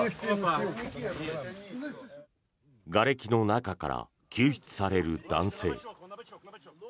がれきの中から救出される男性。